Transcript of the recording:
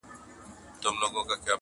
ژوند که ورته غواړې وایه وسوځه.!